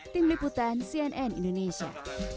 tim liputan cnn indonesia